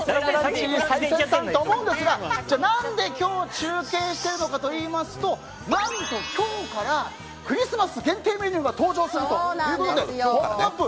何で今日中継しているのかといいますと何と今日からクリスマス限定メニューが登場するということで「ポップＵＰ！」